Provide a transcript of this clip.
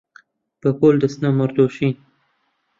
بەپۆل دەچنە مەڕدۆشین